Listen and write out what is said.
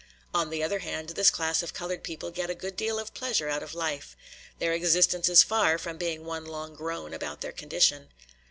On the other hand, this class of colored people get a good deal of pleasure out of life; their existence is far from being one long groan about their condition.